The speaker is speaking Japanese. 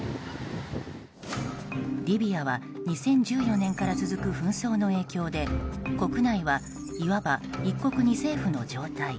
リビアは２０１４年から続く紛争の影響で国内はいわば一国二政府の状態。